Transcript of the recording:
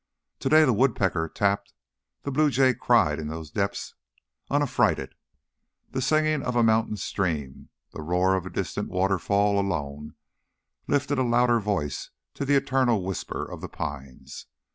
To day the woodpecker tapped, the bluejay cried in those depths unaffrighted; the singing of a mountain stream, the roar of a distant waterfall alone lifted a louder voice to the eternal whisper of the pines.